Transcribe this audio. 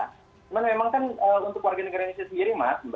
cuman memang kan untuk warga negara indonesia sendiri mas